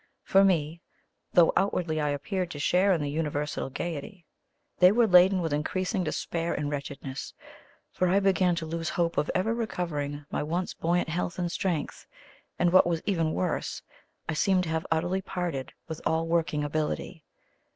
For me, though outwardly I appeared to share in the universal gaiety, they were laden with increasing despair and wretchedness; for I began to lose hope of ever recovering my once buoyant health and strength, and, what was even worse, I seemed to have utterly parted with all working ability.